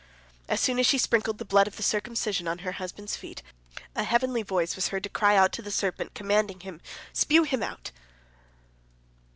As soon as she sprinkled the blood of the circumcision on her husband's feet, a heavenly voice was heard to cry to the serpent, commanding him, "Spew him out!"